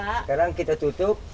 sekarang kita tutup